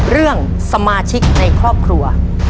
เรื่องสมาชิกในครอบครัว